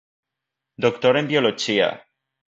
Doctor en biologia.